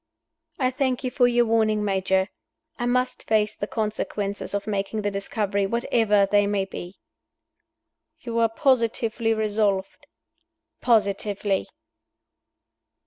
"I thank you for your warning, Major. I must face the consequences of making the discovery, whatever they may be." "You are positively resolved?" "Positively."